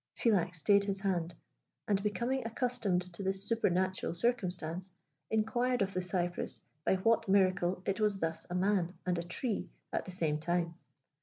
Philax stayed his hand, and becoming accustomed to this supernatural circumstance, inquired of the cypress by what miracle it was thus a man and a tree at the same time.